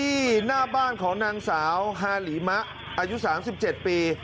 ที่หน้าบ้านของนางสาวฮาหลีมะอายุสามสิบเจ็ดปี